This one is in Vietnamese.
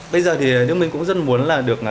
bây giờ thì đứa mình cũng rất muốn là được